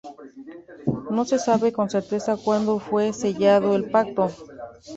No se sabe con certeza cuando fue sellado el pacto.